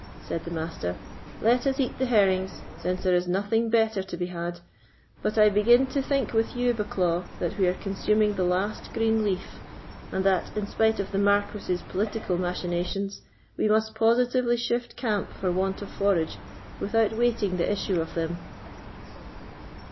said the Master, "let us eat the herrings, since there is nothing better to be had; but I begin to think with you, Bucklaw, that we are consuming the last green leaf, and that, in spite of the Marquis's political machinations, we must positively shift camp for want of forage, without waiting the issue of them."